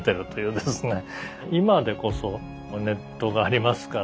今でこそネットがありますから画像とかね